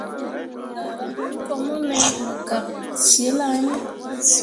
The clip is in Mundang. Raara him ko mone mu gak zilah iŋ.